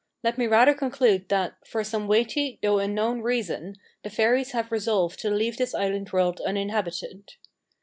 Let me rather conclude, that, for some weighty, though unknown, reason, the fairies have resolved to leave this island world uninhabited.